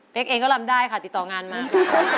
เป๊กเองก็ลำได้ค่ะติดต่องานมาก